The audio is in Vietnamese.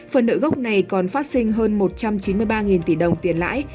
phần nợ gốc này còn phát sinh hơn một trăm chín mươi ba tỷ đồng tiền lãi